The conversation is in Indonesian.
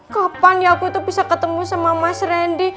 kapan ya aku tuh bisa ketemu sama mas randy